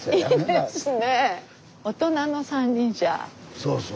そうそう。